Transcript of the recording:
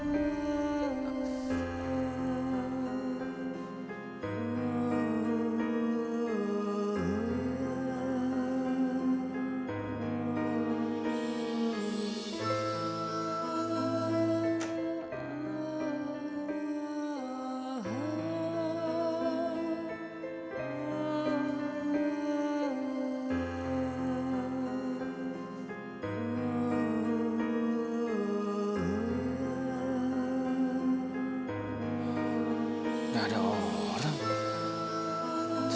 nggak ada orang